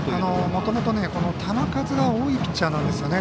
もともと球数が多いピッチャーなんですね